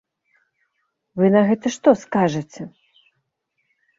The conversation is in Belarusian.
Вы на гэта што скажаце?